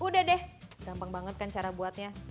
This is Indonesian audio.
udah deh gampang banget kan cara buatnya